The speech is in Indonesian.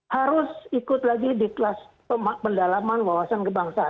harus ikut lagi di kelas pendalaman wawasan kebangsaan